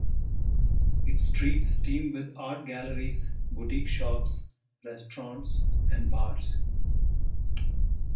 Its streets teem with art galleries, boutique shops, restaurants, and bars.